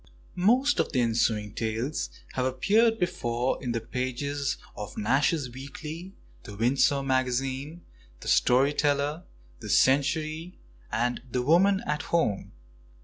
Most of the ensuing tales have appeared before in the pages of Nash's Weekly, The Windsor Magazine, The Story Teller, The Century, and The Woman at Home.